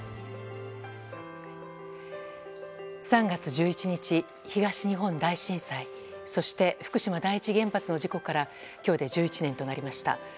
３月１１日東日本大震災そして福島第一原発の事故から今日で１１年となりました。